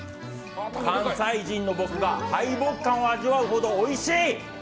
関西人の僕が敗北感を味わうほどおいしい。